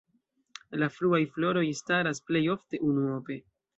La fruaj floroj staras plej ofte unuope.